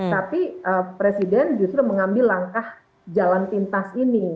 tapi presiden justru mengambil langkah jalan pintas ini